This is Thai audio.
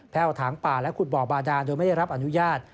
วถางป่าและขุดบ่อบาดานโดยไม่ได้รับอนุญาต